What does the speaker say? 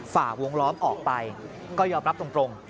ฝ่าวงล้อมออกไปก็ยอมรับตรง